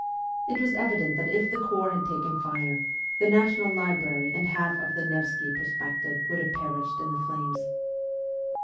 It was evident that if the Corps had taken fire, the National Library and half of the Nevsky Perspective would have perished in the flames.